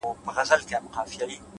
هوښیار انسان د احساساتو غلام نه وي,